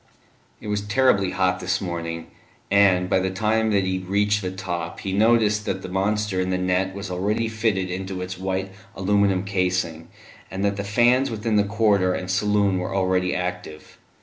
It was terribly hot this morning, and, by the time that he reached the top he noticed that the monster in the net was already fitted into its white aluminium casing, and that the fans within the corridor and saloon were already active.